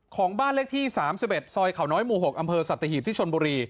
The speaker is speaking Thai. ของบ้านเลขที่๓๑ซอยเขาน้อยหมู่๖อำเภอสัตหีบที่ชนบุรี